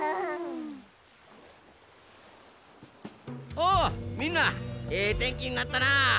おっみんなええてんきになったなあ！